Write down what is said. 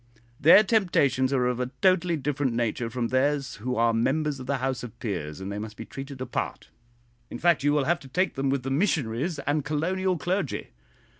Their temptations are of a totally different nature from theirs who are members of the House of Peers, and they must be treated apart; in fact, you will have to take them with the missionaries and colonial clergy.